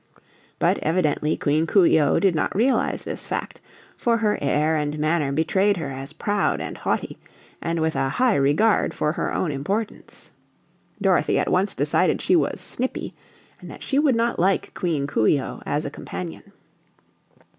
But evidently Queen Coo ee oh did not realize this fact, for her air and manner betrayed her as proud and haughty and with a high regard for her own importance. Dorothy at once decided she was "snippy" and that she would not like Queen Coo ee oh as a companion.